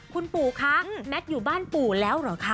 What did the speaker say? คุณปู่คะแมทอยู่บ้านปู่แล้วเหรอคะ